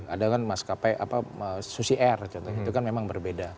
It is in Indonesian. ada kan maskapai susi air itu kan memang berbeda